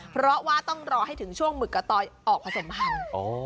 เพราะว่าต้องรอให้ถึงช่วงหมึกกะตอยออกผสมพันธุ์